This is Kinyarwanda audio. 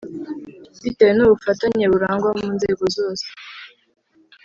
bitewe n’ubufatanye burangwa mu nzego zose